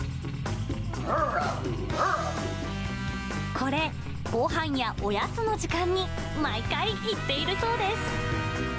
これ、ごはんやおやつの時間に毎回言っているそうです。